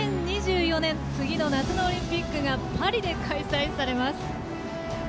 ２０２４年次の夏のオリンピックがパリで開催されます。